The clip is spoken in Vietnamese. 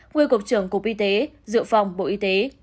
nguyên cục trưởng cục y tế dự phòng bộ y tế